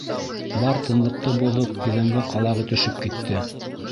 Бар тынлыҡты боҙоп иҙәнгә ҡалағы төшөп китте.